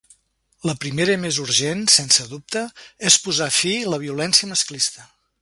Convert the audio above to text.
La primera i més urgent, sense dubte, és posar fi la violència masclista.